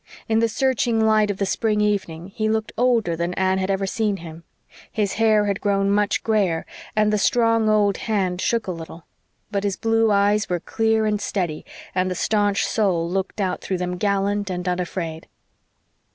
In the searching light of the spring evening he looked older than Anne had ever seen him. His hair had grown much grayer, and the strong old hand shook a little. But his blue eyes were clear and steady, and the staunch soul looked out through them gallant and unafraid.